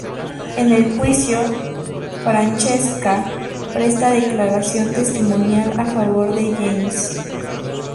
En el juicio, Francesca presta declaración testimonial a favor de James.